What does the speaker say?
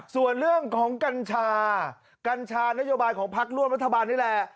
ส่วนเรื่องของกัญชากัญชานโยบายของพักร่วมรัฐบาลนี่แหละ